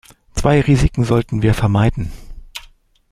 Zwei Risiken sollten wir vermeiden.